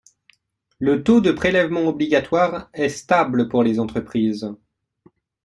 Le taux de prélèvement obligatoire est stable pour les entreprises.